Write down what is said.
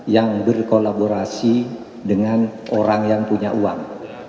yang berkolaborasi dengan orang yang punya uang